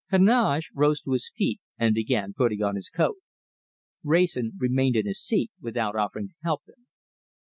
Heneage rose to his feet and began putting on his coat. Wrayson remained in his seat, without offering to help him.